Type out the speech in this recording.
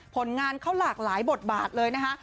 ผลงานเขาหลากหลายบทบาทเลยนะคะ